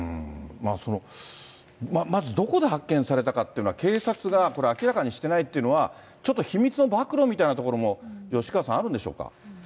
まずどこで発見されたかというのは、警察がこれ、明らかにしてないっていうのは、ちょっと秘密の暴露みたいなところも吉川さん、あるんでしょうか。